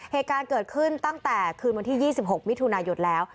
เหตุการณ์เกิดขึ้นตั้งแต่คืนวันที่๒๖มิถุนายนแล้ว